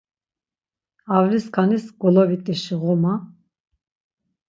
Avliskaniz golovit̆işi ğoma.